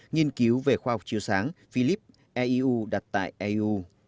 nghiên cứu về khoa học chiếu sáng philips eiu đặt tại eiu